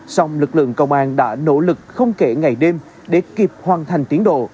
song lực lượng công an đã nỗ lực không kể ngày đêm để kịp hoàn thành